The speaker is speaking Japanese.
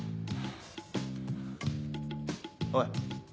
おい。